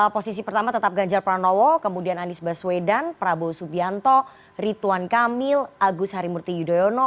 posisi pertama tetap ganjar pranowo kemudian anies baswedan prabowo subianto ritwan kamil agus harimurti yudhoyono